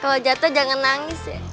kalau jatuh jangan nangis ya